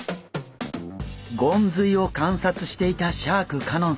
ゴンズイを観察していたシャーク香音さん。